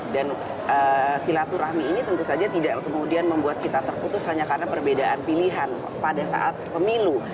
dan silaturahmi ini tentu saja tidak kemudian membuat kita terputus hanya karena perbedaan pilihan pada saat pemilu